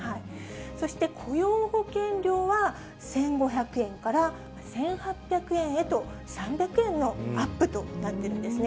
そして雇用保険料は１５００円から１８００円へと、３００円のアップとなってるんですね。